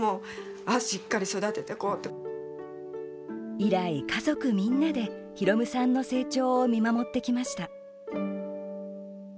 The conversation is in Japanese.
以来、家族みんなで宏夢さんの成長を見守ってきました。